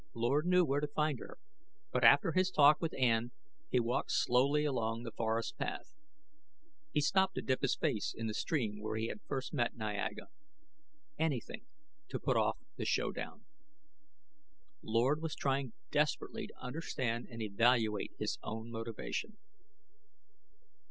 Lord knew where to find her, but after his talk with Ann he walked slowly along the forest path. He stopped to dip his face into the stream where he had first met Niaga. Anything to put off the showdown. Lord was trying desperately to understand and evaluate his own motivation.